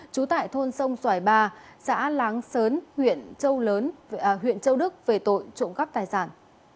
chú tại thôn sông xoài ba xã láng sớn huyện châu đức về tội trộm cắp tài sản